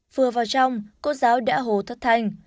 vừa vào trong cô giáo đã hố thất thanh